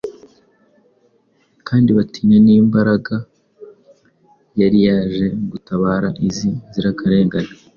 kandi batinya n’Imbaraga yari yaje gutabara izi nzirakarengane.